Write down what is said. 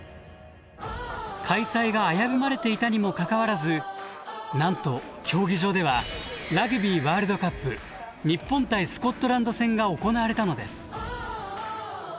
開催が危ぶまれていたにもかかわらずなんと競技場ではラクビーワールドカップ日本対スコットランド戦が行われたのです。